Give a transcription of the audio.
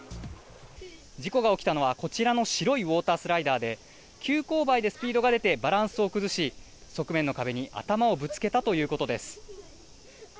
事故が起きたのはこちらの白いウォータースライダーで、急こう配でスピードが出て、バランスを崩し、側面の壁に頭をぶつけたということです。